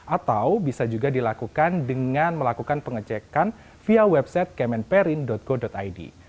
atau bisa juga dilakukan dengan melakukan pengecekan via website kemenperin go id